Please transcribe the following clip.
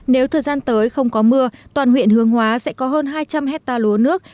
nếu thời gian tới không có mưa toàn huyện hương hóa sẽ có hơn hai trăm linh hectare lúa nước